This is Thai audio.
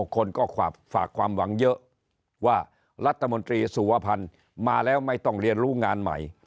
คนก็ฝากความหวังเยอะว่ารัฐมนตรีสุวพันธ์มาแล้วไม่ต้องเรียนรู้งานใหม่